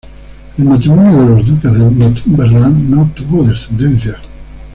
El matrimonio de los duques de Northumberland no tuvo descendencia.